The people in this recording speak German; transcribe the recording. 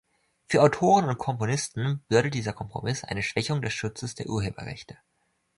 Für Autoren und Komponisten bedeutet dieser Kompromiss eine Schwächung des Schutzes der Urheberrechte.